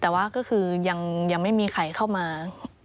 แต่ว่าก็คือยังไม่มีใครเข้ามา